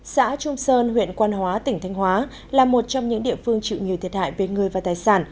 xã trung sơn huyện quan hóa tỉnh thanh hóa là một trong những địa phương chịu nhiều thiệt hại về người và tài sản